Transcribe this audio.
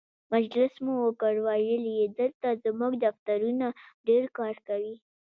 مجلس مو وکړ، ویل یې دلته زموږ دفترونه ډېر کار کوي.